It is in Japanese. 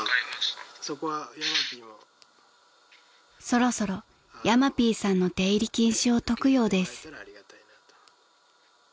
［そろそろヤマピーさんの出入り禁止を解くようです］